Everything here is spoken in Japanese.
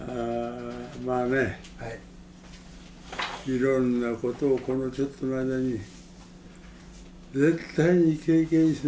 まあねいろんなことをこのちょっとの間に。